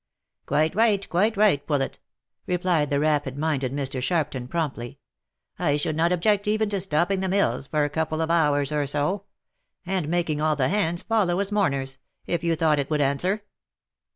" Quite right, quite right, Poulet," replied the rapid minded Mr. Sharpton, promptly ;" I should not object even to stopping the mills for a couple of hours or so, and making all the hands follow as mourners, if you thought it would answer."